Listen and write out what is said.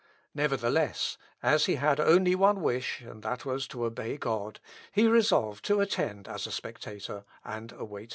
Nevertheless, as he had only one wish, and that was to obey God he resolved to attend as a spectator, and await the result.